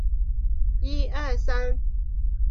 这是埃莉诺唯一留存于世的手书。